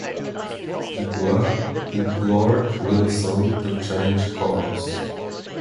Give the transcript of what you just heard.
Du Bois implored Wilson to change course.